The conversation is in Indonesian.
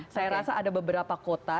saya rasa ada beberapa kota